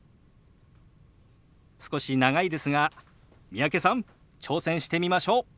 少し長いですが三宅さん挑戦してみましょう。